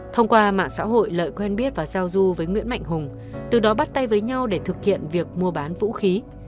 thông qua mạng xã hội lợi quen biết và giao du với nguyễn mạnh hùng từ đó bắt tay với nhau để thực hiện việc mua bán vũ khí